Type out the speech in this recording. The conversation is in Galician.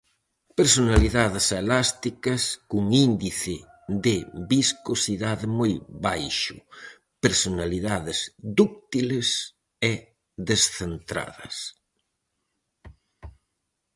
Personalidades elásticas, cun índice de viscosidade moi baixo, personalidades dúctiles e descentradas.